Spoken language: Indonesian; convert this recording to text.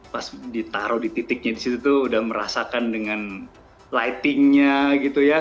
pas ditaruh di titiknya disitu tuh udah merasakan dengan lightingnya gitu ya